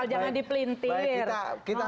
asal jangan dipelintir saja